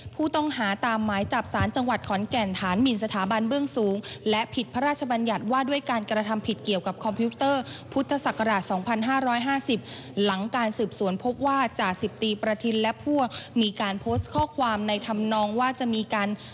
ผู้ต้องหาตามหมายจับสารจังหวัดขอนแก่นฐานหมินสถาบันเบื้องสูงและผิดพระราชบัญญัติว่าด้วยการกระทำผิดเกี่ยวกับคอมพิวเตอร์พุทธศักราช๒๕๕๐หลังการสืบสวนพบว่าจ่าสิบตีประทินและพวกมีการโพสต์ข้อความในธรรมนองว่าจะมีการ